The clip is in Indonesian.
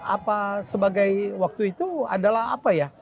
apa sebagai waktu itu adalah apa ya